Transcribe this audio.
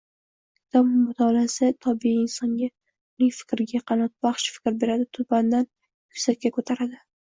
Kitob mutolaasi tobe insonga, uning fikriga qanotbaxsh fikr beradi, tubandan yuksakka ko‘taradi.